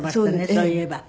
そういえば。